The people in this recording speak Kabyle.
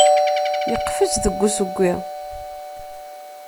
Yeqfez deg usewwi.